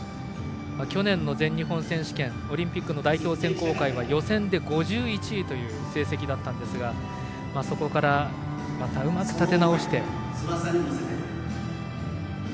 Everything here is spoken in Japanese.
去年の全日本選手権オリンピックの代表選考会は予選で５１位という成績でしたがそこからうまく立て直して。